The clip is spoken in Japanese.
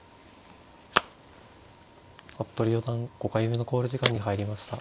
服部四段５回目の考慮時間に入りました。